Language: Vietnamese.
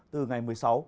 từ ngày một mươi sáu